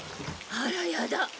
あらやだ。